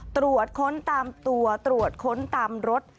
ตรวจค้นตามตัวตรวจค้นตามรถ